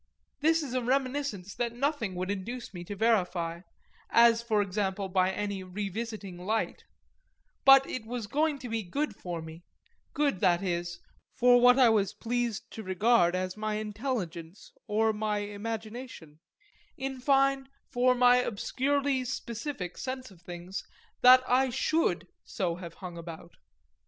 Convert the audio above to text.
This is a reminiscence that nothing would induce me to verify, as for example by any revisiting light; but it was going to be good for me, good, that is, for what I was pleased to regard as my intelligence or my imagination, in fine for my obscurely specific sense of things, that I should so have hung about.